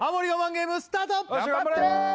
ゲームスタート頑張って！